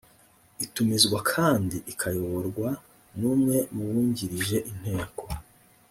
itumizwa kandi ikayoborwa n umwe mu bungirije inteko